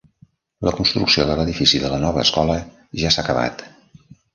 La construcció de l'edifici de la nova escola ja s'ha acabat.